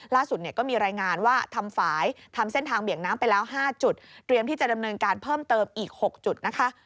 ล่าสุดเนี่ยก็มีรายงานว่าทำฝ่ายทำเส้นทางเบี่ยงน้ำไปแล้ว๕จุดเตรียมที่จะดำเนินการเพิ่มเติมอีก๖จุดนะคะ